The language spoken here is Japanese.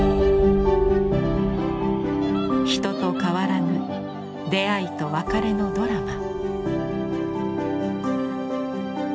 人と変わらぬ出会いと別れのドラマ。